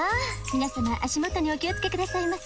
皆様足元にお気を付けくださいませ。